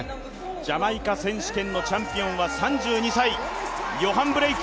ジャマイカ選手権のチャンピオンは３２歳ヨハン・ブレイク！